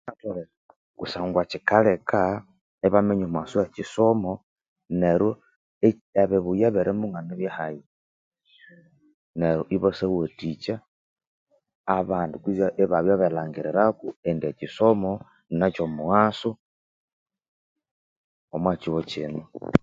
Atholere kusangwa kyikaleka ibaminya omughasu we kyisomo neru eh ebibuya ebirimu nganibyahayi neru ibasawathikya abandi kuze inabya berilhangirirako indi ekyisomo nine kyomughasu omwa kyihugho kyino